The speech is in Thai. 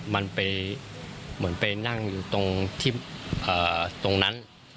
มันไปเหมือนไปนั่งอยู่ตรงที่ตรงนั้น